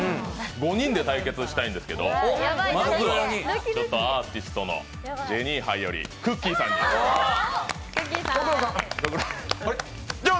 ５人で対決したいんですけど、まずはアーティストのジェニーハイよりくっきー！さんで。